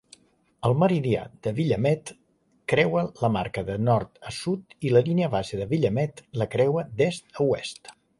El meridià de Willamette creua la marca de nord a sud i la línia base de Willamette la creua d'est a oest.